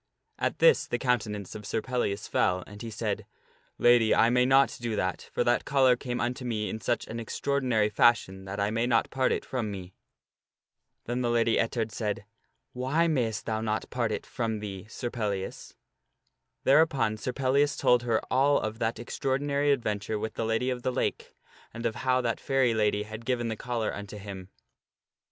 At this the countenance of Sir Pellias fell, and he said, " Lady, I may not do that ; for that collar came unto me in such an extraordinary fashion that I may not part it from me." Then the Lady Ettard said, " Why mayst thou not part it from thee Sir Pellias?" Thereupon Sir Pellias told her all of that extraordinary adventure with the Lady of the Lake, and of how that fairy lady had given the collar unto him.